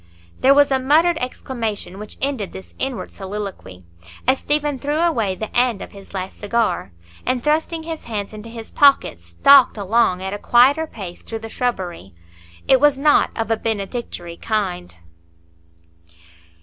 There was a muttered exclamation which ended this inward soliloquy, as Stephen threw away the end of his last cigar, and thrusting his hands into his pockets, stalked along at a quieter pace through the shrubbery. It was not of a benedictory kind.